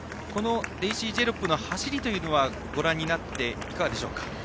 デイシー・ジェロップの走りはご覧になって、いかがでしょうか。